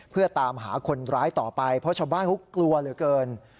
เพื่อตามหาคนร้ายต่อไปเพราะชาวบ้านเขากลัวเหลือเกิน